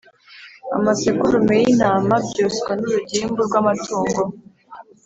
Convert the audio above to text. amasekurume y’intama byoswa n’urugimbu rw’amatungo